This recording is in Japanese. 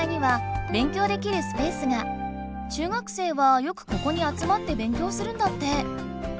中学生はよくここにあつまって勉強するんだって。